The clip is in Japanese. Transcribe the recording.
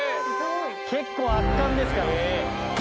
結構、圧巻ですから。